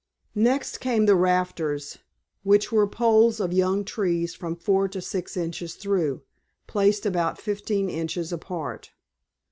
Next came the rafters, which were poles of young trees from four to six inches through, placed about fifteen inches apart.